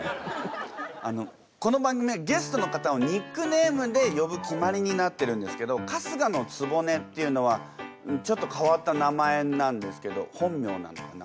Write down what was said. あのこの番組はゲストの方をニックネームで呼ぶ決まりになってるんですけど春日局っていうのはちょっと変わった名前なんですけど本名なのかな？